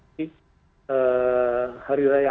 di hari raya